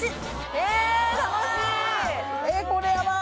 えっ楽しい